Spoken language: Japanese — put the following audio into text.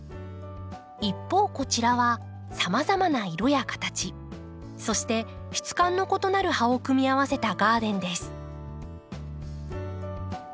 一方こちらはさまざまな色や形そして質感の異なる葉を組み合わせたガーデンです。